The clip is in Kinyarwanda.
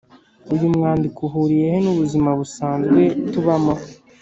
uyu mwandiko uhuriye he n’ubuzima busanzwe tubamo?